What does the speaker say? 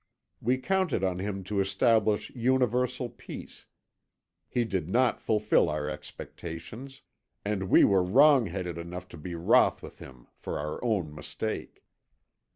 We counted on him to establish universal peace; he did not fulfil our expectations, and we were wrong headed enough to be wroth with him for our own mistake.